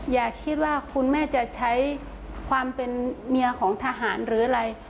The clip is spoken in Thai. อย่าคิดว่าคุณแม่จะใช้ความเป็นเมียของทหารหรืออะไร